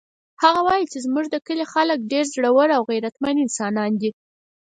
هغه وایي چې زموږ د کلي خلک ډېر زړور او غیرتمن انسانان دي